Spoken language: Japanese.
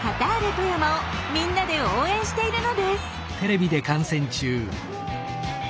富山をみんなで応援しているのです。